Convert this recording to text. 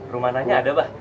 rumah nanya ada ba